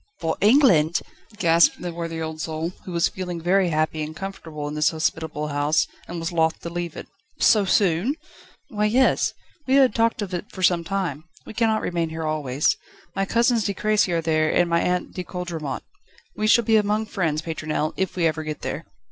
"For England?" gasped the worthy old soul, who was feeling very happy and comfortable in this hospitable house, and was loth to leave it. "So soon?" "Why, yes; we had talked of it for some time. We cannot remain here always. My cousins De Crécy are there, and my aunt De Coudremont. We shall be among friends, Pétronelle, if we ever get there."